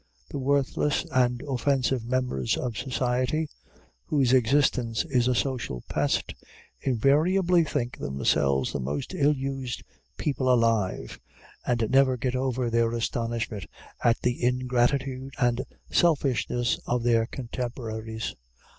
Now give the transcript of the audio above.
The worthless and offensive members of society, whose existence is a social pest, invariably think themselves the most ill used people alive, and never get over their astonishment at the ingratitude and selfishness of their contemporaries.